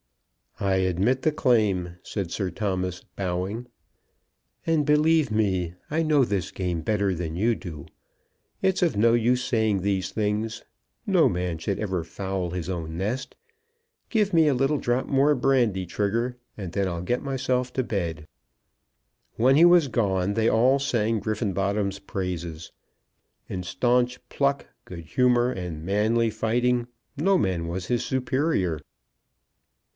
"I admit the claim," said Sir Thomas, bowing. "And believe me, I know this game better than you do. It's of no use saying these things. No man should ever foul his own nest. Give me a little drop more brandy, Trigger, and then I'll get myself to bed." When he was gone, they all sang Griffenbottom's praises. In staunch pluck, good humour, and manly fighting, no man was his superior.